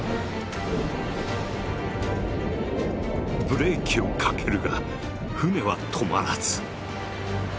ブレーキをかけるが船は止まらず。